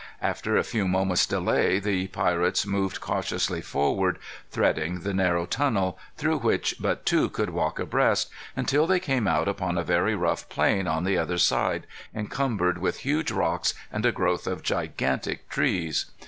After a few moments' delay, the pirates moved cautiously forward, threading the narrow tunnel, through which but two could walk abreast, until they came out upon a very rough plain on the other side, encumbered with huge rocks and a growth of gigantic trees.